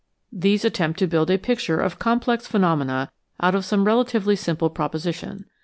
These attempt to build a picture of complex phenomena out of some relatively simple proposition.